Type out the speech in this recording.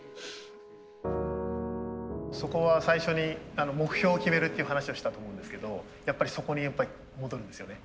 そこは最初に目標を決めるっていう話をしたと思うんですけどやっぱりそこに戻るんですよね。